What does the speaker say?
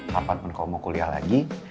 kapan pun kalo mau kuliah lagi